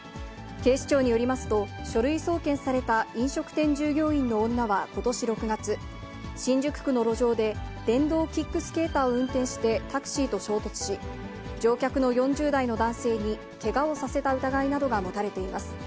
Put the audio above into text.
警視庁によりますと、書類送検された飲食店従業員の女はことし６月、新宿区の路上で電動キックスケーターを運転してタクシーと衝突し、乗客の４０代の男性にけがをさせた疑いなどが持たれています。